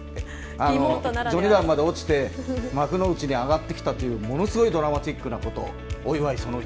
序二段まで落ちて幕内に上がってきたというものすごいドラマチックなことお祝い、その１。